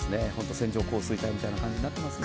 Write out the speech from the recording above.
線状降水帯みたいな感じになってますね。